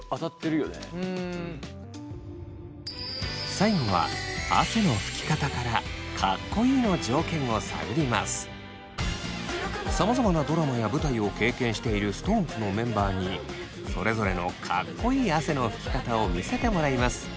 最後はさまざまなドラマや舞台を経験しているＳｉｘＴＯＮＥＳのメンバーにそれぞれのかっこいい汗のふき方を見せてもらいます。